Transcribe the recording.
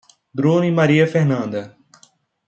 Bruno e Maria Fernanda